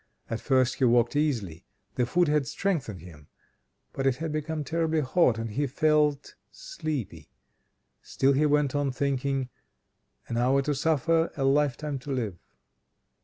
At first he walked easily: the food had strengthened him; but it had become terribly hot, and he felt sleepy; still he went on, thinking: "An hour to suffer, a life time to live."